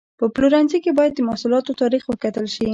په پلورنځي کې باید د محصولاتو تاریخ وکتل شي.